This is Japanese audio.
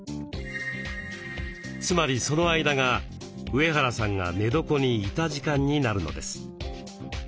つまりその間が上原さんが寝床にいた時間になるのです。